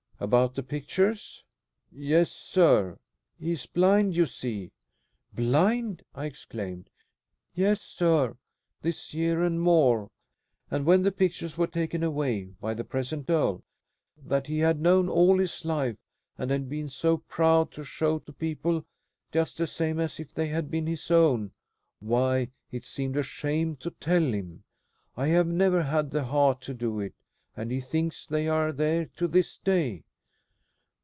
"About the pictures?" "Yes, sir. He is blind, you see." "Blind?" I exclaimed. "Yes, sir, this year and more; and when the pictures were taken away by the present earl that he had known all his life, and been so proud to show to people just the same as if they had been his own, why, it seemed a shame to tell him. I have never had the heart to do it, and he thinks they are there to this day."